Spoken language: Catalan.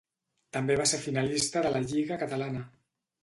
També va ser finalista de la Lliga catalana.